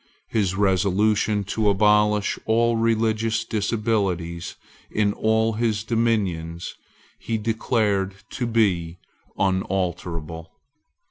His resolution to abolish all religious disabilities in all his dominions he declared to be unalterable.